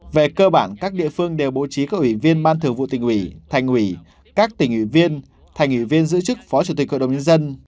về cơ bản các địa phương đều bố trí các ủy viên ban thường vụ tỉnh ủy thành ủy các tỉnh ủy viên thành ủy viên giữ chức phó chủ tịch hội đồng nhân dân